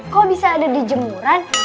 kok bisa ada di jemuran